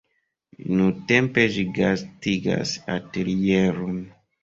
Nuntempe ĝi gastigas atelieron.